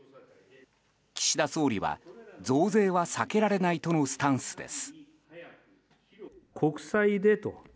岸田総理は増税は避けられないとのスタンスです。